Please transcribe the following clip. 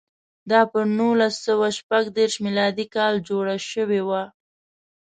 دا پر نولس سوه شپږ دېرش میلادي کال جوړه شوې وه.